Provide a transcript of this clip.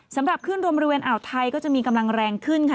สำหรับขึ้นลมบริเวณอ่าวไทยก็จะมีกำลังแรงขึ้นค่ะ